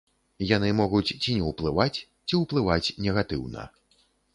Яны могуць ці не ўплываць, ці ўплываць негатыўна.